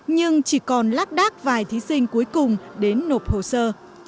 nhưng chỉ còn lác đác vài thí sinh cuối cùng đến nộp hồ sơ